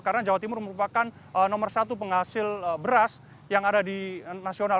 karena jawa timur merupakan nomor satu penghasil beras yang ada di nasional